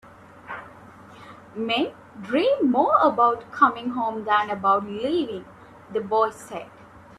"Men dream more about coming home than about leaving," the boy said.